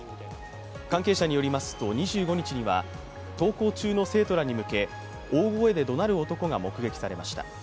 関係者によりますと２５日には、登校中の生徒らに向け、大声でどなる男が目撃されました。